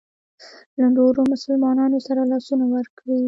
له نورو مسلمانانو سره لاسونه ورکړي.